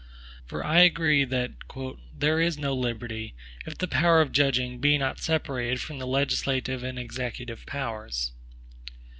For I agree, that "there is no liberty, if the power of judging be not separated from the legislative and executive powers."